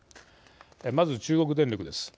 まず、中国電力です。